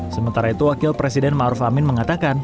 sementara itu wakil presiden maruf amin mengatakan